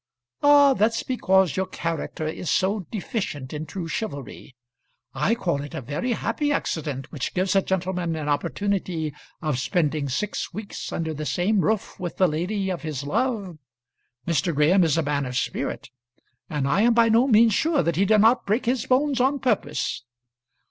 "Ah, that's because your character is so deficient in true chivalry. I call it a very happy accident which gives a gentleman an opportunity of spending six weeks under the same roof with the lady of his love. Mr. Graham is a man of spirit, and I am by no means sure that he did not break his bones on purpose."